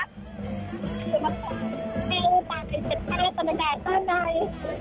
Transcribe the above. คือมันจะเต้นไปเสร็จภาพสมรรดาต้อนราย